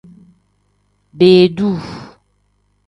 Beeduu.